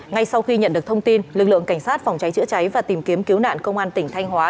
ngay sau khi nhận được thông tin lực lượng cảnh sát phòng cháy chữa cháy và tìm kiếm cứu nạn công an tỉnh thanh hóa